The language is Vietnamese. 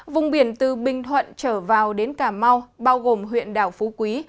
vùng biển từ bình thuận trở vào đến cà mau bao gồm huyện đảo phú quý